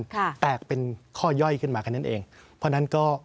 ค่ะแตกเป็นข้อย่อยขึ้นมาแค่นั้นเองเพราะฉะนั้นก็